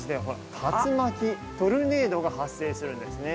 竜巻トルネードが発生するんですね。